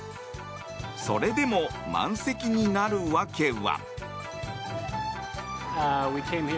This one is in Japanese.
それでも満席になる訳は。